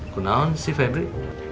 kenaun si febri